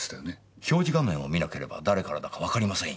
表示画面を見なければ誰からだかわかりませんよ。